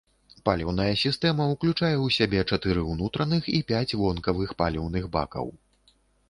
Паліўная сістэма ўключае ў сябе чатыры ўнутраных і пяць вонкавых паліўных бакаў.